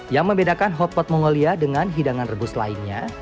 yang membedakan hotpot mongolia dengan hidangan rebus lainnya